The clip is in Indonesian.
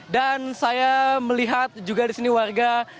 dan saya melihat juga di sini warga